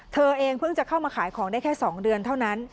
เธอเองเพิ่งจะเข้ามาขายของได้แค่๒เดือนเท่านั้น